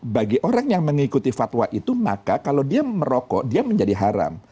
bagi orang yang mengikuti fatwa itu maka kalau dia merokok dia menjadi haram